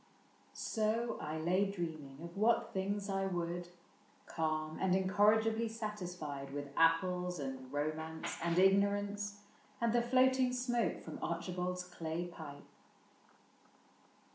So I lay dreaming of what things I would, Calm and incorrigibly satisfied With apples and romance and ignorance, And the floating smoke from Archibald's clay pipe.